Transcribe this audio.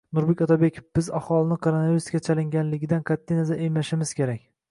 Nurmat Otabekov: “Biz aholini koronavirusga chalinganligidan qat’i nazar emlashimiz kerak”